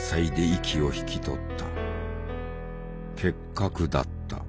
結核だった。